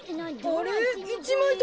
あれ？